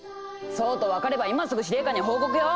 そうと分かれば今すぐ司令官に報告よ！